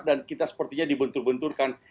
dan kita sepertinya dibentur benturkan